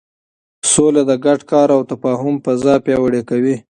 سوله د ګډ کار او تفاهم فضا پیاوړې کوي.